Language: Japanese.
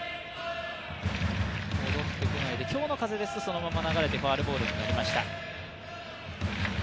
今日の風ですとそのまま流れてファウルボールになりました。